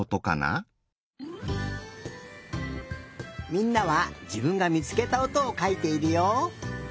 みんなはじぶんがみつけたおとをかいているよ。